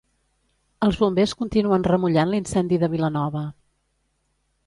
Els Bombers continuen remullant l'incendi de Vilanova.